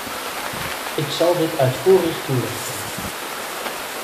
Ik zal dit uitvoerig toelichten.